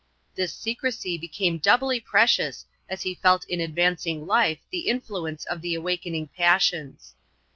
This secrecy became doubly precious as he felt in advancing life the influence of the awakening passions.